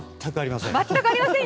全くありません。